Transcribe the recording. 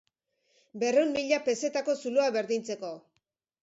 Berrehun mila pezetako zuloa berdintzeko.